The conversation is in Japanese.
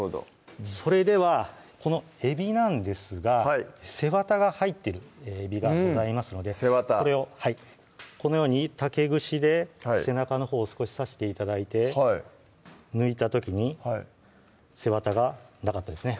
それではこのえびなんですがはい背わたが入ってるえびがございますのでこれをこのように竹串で背中のほう少し刺して頂いて抜いた時に背わたがなかったですね